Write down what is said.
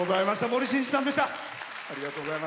森進一さんでした。